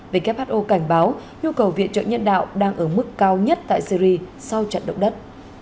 who cảnh báo nhu cầu viện trợ nhân đạo đang ở mức cao nhất tại syri sau trận động đất